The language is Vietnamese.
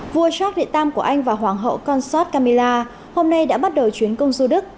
vua charles iii của anh và hoàng hậu consort camilla hôm nay đã bắt đầu chuyến công du đức